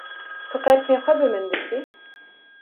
Tu qerfên xwe bi min dikî?